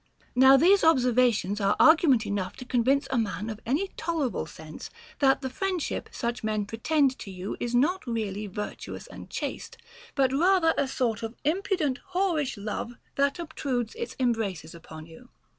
Now these observations are argument enough to con vince a man of any tolerable sense, that the friendship such men pretend to is not really virtuous and chaste, but rather a sort of impudent whorish love that obtrudes its embraces upon you.